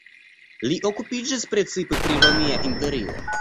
Li okupiĝis precipe pri Romia Imperio.